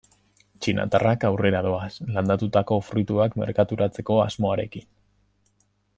Txinatarrak aurrera doaz landatutako fruituak merkaturatzeko asmoarekin.